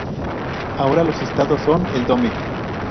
Ahora los establos son el Dome.